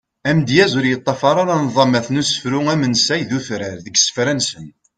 Amedyaz ur yeṭṭafar ara nḍamat n usefru amensay d utrar deg isefra-nsen.